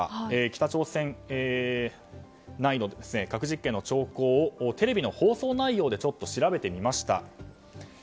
北朝鮮内の核実験の兆候をテレビの放送内容で調べてみました。